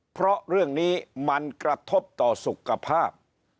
เพราะเรื่องนี้มันกระทบต่อสุขภาพ